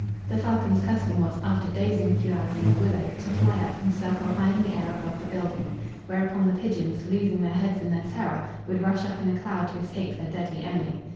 The falcon's custom was, after dozing a few hours in the willow, to fly up and circle high in the air above the buildings, whereupon the pigeons, losing their heads in their terror, would rush up in a cloud to escape their deadly enemy.